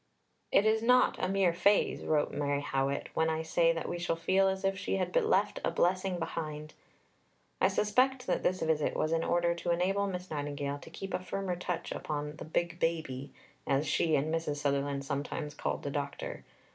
"It is not a mere phrase," wrote Mary Howitt, "when I say that we shall feel as if she had left a blessing behind." I suspect that this visit was in order to enable Miss Nightingale to keep a firmer touch upon the "Big Baby," as she and Mrs. Sutherland sometimes called the doctor.